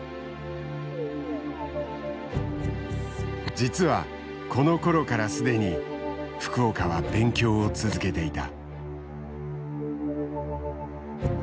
実はこのころから既に福岡は勉強を続けていた。